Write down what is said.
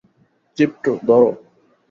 Crypto, ধরো!